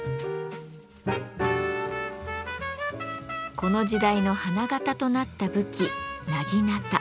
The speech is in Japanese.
この時代の花形となった武器